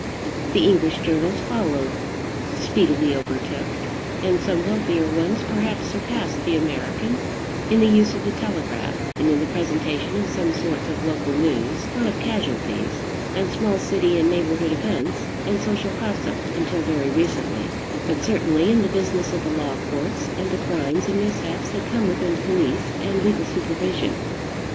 The English journals followed, speedily overtook, and some of the wealthier ones perhaps surpassed, the American in the use of the telegraph, and in the presentation of some sorts of local news; not of casualties, and small city and neighborhood events, and social gossip (until very recently), but certainly in the business of the law courts, and the crimes and mishaps that come within police and legal supervision.